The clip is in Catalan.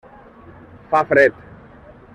Fa fred.